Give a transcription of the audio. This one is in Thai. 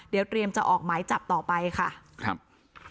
เดี๋ยวเตรียมจะออกหมายจับต่อไปค่ะครับ